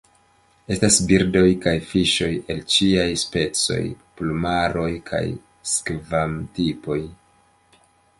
Estas birdoj kaj fiŝoj el ĉiaj specoj, plumaroj kaj skvam-tipoj.